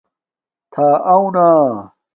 تھݳ اَݸ نݳ؟